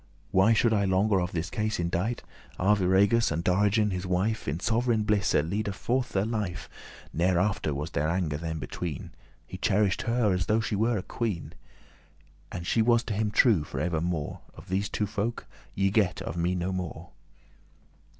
Why should I longer of this case indite? Arviragus and Dorigen his wife In sov'reign blisse ledde forth their life; Ne'er after was there anger them between; He cherish'd her as though she were a queen, And she was to him true for evermore; Of these two folk ye get of me no more.